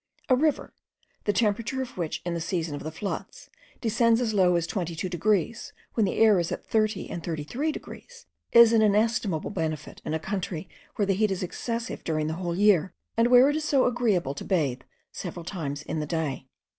A river, the temperature of which, in the season of the floods, descends as low as twenty two degrees, when the air is at thirty and thirty three degrees, is an inestimable benefit in a country where the heat is excessive during the whole year, and where it is so agreeable to bathe several times in the day.